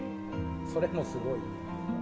それもすごい。